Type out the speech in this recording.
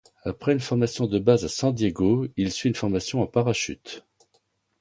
Après une formation de base à San Diego, il suit une formation en parachute.